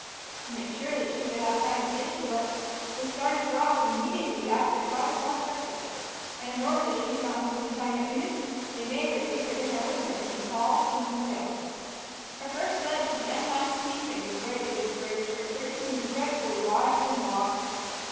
To make sure that she would have time to finish the work, they had started her off immediately after a five o'clock breakfast; and in order that she should not lose any time at noon, they had made her take her dinner with her in a tall tin pail. Her first glimpse of the unplanted piece had greatly discouraged her, for it seemed dreadfully wide and long.